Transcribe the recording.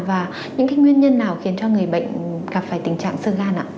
và những nguyên nhân nào khiến cho người bệnh gặp phải tình trạng sơ gan ạ